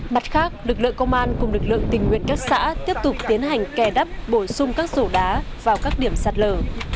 mặt khác lực lượng công an cùng lực lượng tình nguyện các xã tiếp tục tiến hành kè đắp bổ sung các rổ đá vào các điểm sát lờ